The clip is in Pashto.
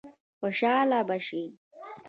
خوشاله به شي.